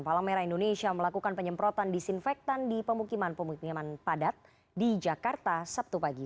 palang merah indonesia melakukan penyemprotan disinfektan di pemukiman pemukiman padat di jakarta sabtu pagi